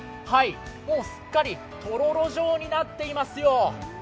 もうすっかりとろろ状になっていますよ。